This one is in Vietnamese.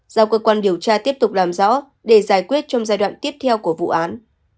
giao cơ quan điều tra tiếp tục làm rõ để giải quyết trong giai đoạn tiếp theo của vụ án